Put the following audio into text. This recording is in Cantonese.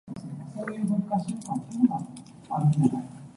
憑實力單身